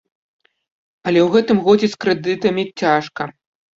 Але ў гэтым годзе з крэдытамі цяжка.